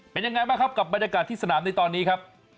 เป็นยังไงบ้างครับกับบรรยากาศที่สนามในตอนนี้ครับ